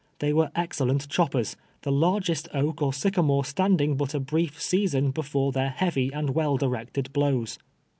Tlicy wero excelleat choppers, the largest oak or sycamore stand ing but a Ijrief season Ijctbre their heavy and well directed blows.